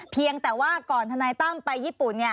เพียงแต่ว่าก่อนทนายตั้มไปญี่ปุ่น